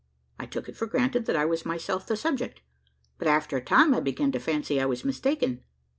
I took it for granted that I was myself the subject; but, after a time, I began to fancy I was mistaken.